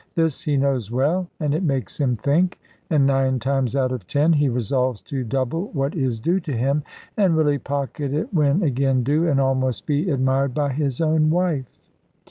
This he knows well, and it makes him think; and nine times out of ten he resolves to double what is due to him, and really pocket it when again due, and almost be admired by his own wife.